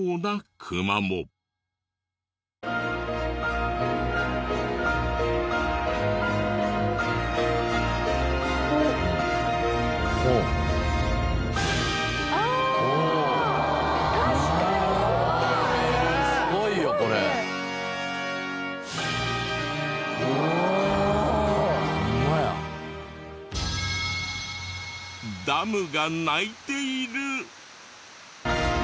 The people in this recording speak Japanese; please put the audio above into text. ダムが泣いている！？